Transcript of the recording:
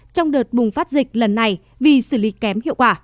trong đợt bùng phát dịch lần này vì xử lý kém